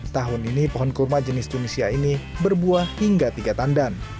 tahun ini pohon kurma jenis tunisia ini berbuah hingga tiga tandan